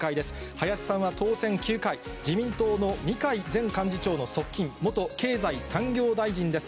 林さんは当選９回、自民党の二階前幹事長の側近、元経済産業大臣です。